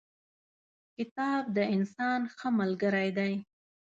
کتاب د انسان ښه ملګری دی.